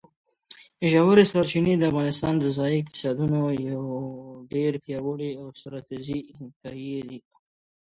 ژورې سرچینې د افغانستان د ځایي اقتصادونو یو ډېر پیاوړی او بنسټیز پایایه دی.